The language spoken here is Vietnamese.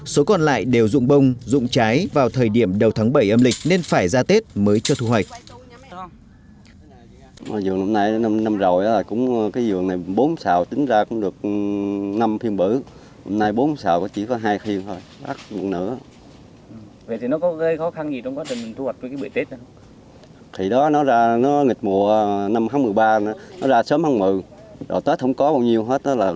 số còn lại đều dụng bông dụng trái vào thời điểm đầu tháng bảy âm lịch nên phải ra tết mới cho thu hoạch